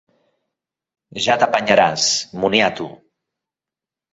Ja t’apanyaràs, moniato!